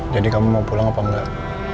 jadi kamu mau pulang apa enggak